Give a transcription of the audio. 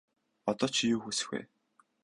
Одоо чи юу хүсэх вэ?